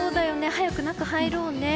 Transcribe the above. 早く中入ろうね。